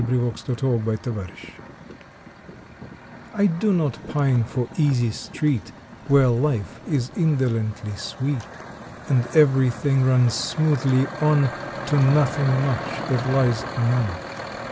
April Twenty eighth A WISH T DO not pine for Easy Street Where life is indolently sweet, And everything runs smoothly on To nothing much that lies anon.